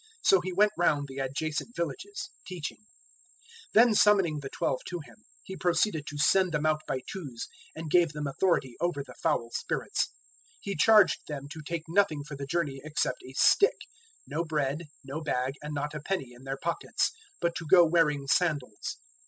So He went round the adjacent villages, teaching. 006:007 Then summoning the Twelve to Him, He proceeded to send them out by twos, and gave them authority over the foul spirits. 006:008 He charged them to take nothing for the journey except a stick; no bread, no bag, and not a penny in their pockets, 006:009 but to go wearing sandals.